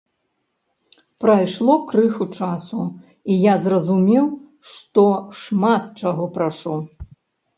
Прайшло крыху часу, і я зразумеў, што шмат чаго прашу.